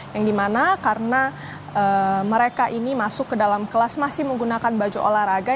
yang dimana karena mereka ini masuk ke dalam kelas masih menggunakan baju olahraga